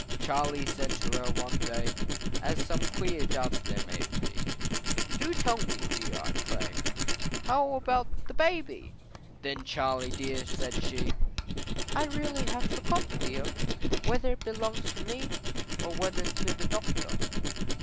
Charley said to her one day, As some queer doubts there may be, Do tell me dear, I pray, How about the baby? Then Charley dear, said she, I really have forgot dear, Whether it belongs to me, Or whether to the doctor.